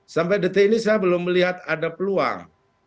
sampai detik ini saya belum melihat ada peluang